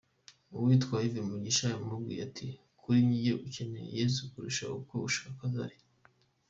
Uwitwa Yves Mugisha yamubwiye ati “Kuri njye ukeneye Yesu kurusha uko ushaka Zari.